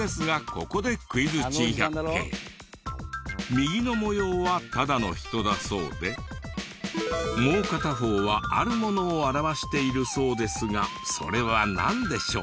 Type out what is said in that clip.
右の模様はただの人だそうでもう片方はあるものを表しているそうですがそれはなんでしょう？